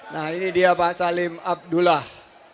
nah ini dia pak salim abdullah